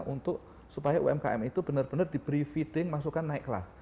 untuk supaya umkm itu benar benar diberi feeding masukan naik kelas